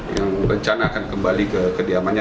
yang rencana akan kembali ke kediamannya